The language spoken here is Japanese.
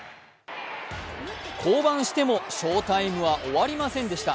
降板しても翔タイムは終わりませんでした。